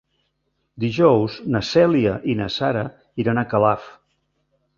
Dijous na Cèlia i na Sara iran a Calaf.